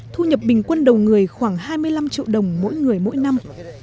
thu nhập bình quân đầu người khoảng hai mươi năm triệu đồng mỗi người mỗi năm